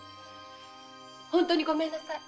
本当にごめんなさい。